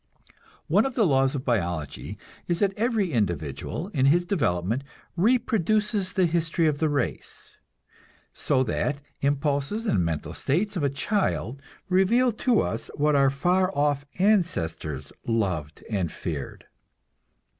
One of the laws of biology is that every individual, in his development, reproduces the history of the race; so that impulses and mental states of a child reveal to us what our far off ancestors loved and feared.